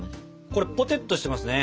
これぽてっとしてますね。